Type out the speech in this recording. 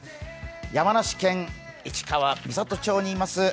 山梨県市川三郷町におります